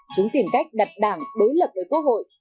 chúng tìm cách đặt đảng đối lập với quốc hội